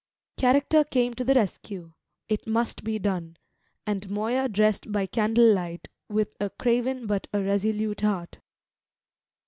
Character came to the rescue. It must be done. And Moya dressed by candle light with a craven but a resolute heart.